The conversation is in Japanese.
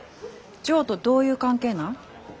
ジョーとどういう関係なん？